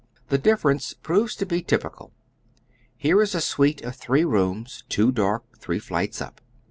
The difference proves to be typical. Here is a snito of three rooms, two dark, three flights up.